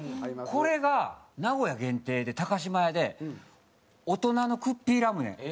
これが名古屋限定で島屋で大人のクッピーラムネ。